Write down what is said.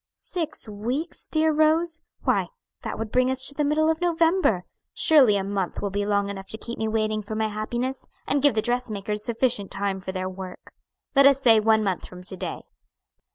"Six weeks, dear Rose? why that would bring us to the middle of November. Surely a month will be long enough to keep me waiting for my happiness, and give the dressmakers sufficient time for their work. Let us say one month from to day."